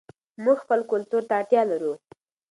موږ خپل کلتور ته اړتیا لرو.